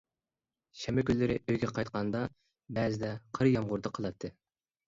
شەنبە كۈنلىرى ئۆيگە قايتقاندا بەزىدە قار-يامغۇردا قالاتتى.